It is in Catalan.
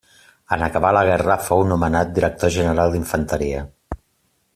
En acabar la guerra fou nomenat Director general d'Infanteria.